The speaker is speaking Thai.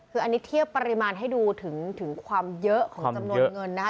คืออันนี้เทียบปริมาณให้ดูถึงความเยอะของจำนวนเงินนะคะ